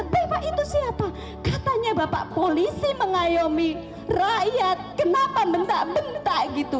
bentar bentar itu siapa katanya bapak polisi mengayomi rakyat kenapa bentar bentar gitu